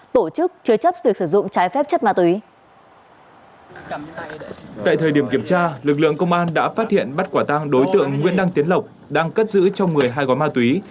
tại thời điểm kiểm tra lực lượng công an đã phát hiện bắt quả tăng đối tượng nguyễn đăng tiến lộc đang cất giữ trong một mươi hai gói ma túy